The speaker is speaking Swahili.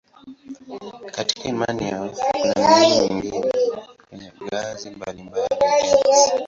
Katika imani yao kuna miungu mingi kwenye ngazi mbalimbali ya enzi.